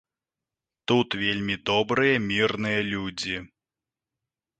Тут вельмі добрыя мірныя людзі.